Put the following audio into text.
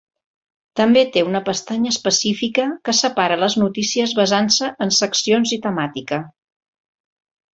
També té una pestanya específica que separa les notícies basant-se en seccions i temàtica.